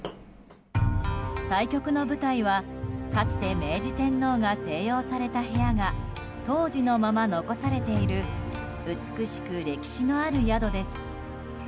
対局の舞台は、かつて明治天皇が静養された部屋が当時のまま残されている美しく歴史のある宿です。